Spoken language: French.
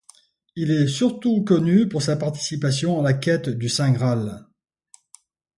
Il est surtout connu pour sa participation à la quête du Saint-Graal.